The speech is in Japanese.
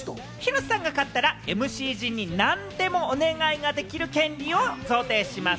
広瀬さんが勝ったらＭＣ陣に何でもお願いができる権利を贈呈します。